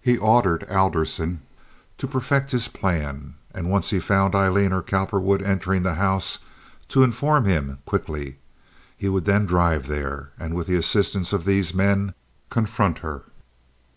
He ordered Alderson to perfect his plan, and once he found Aileen or Cowperwood entering the house to inform him quickly. He would then drive there, and with the assistance of these men confront her.